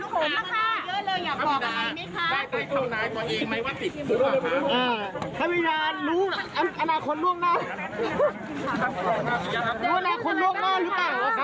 ข้าก็ทีน้ำสุขเยอะเลยอยากบอกอะไรไหมครับ